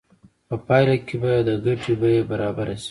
په پایله کې به د ګټې بیه برابره شي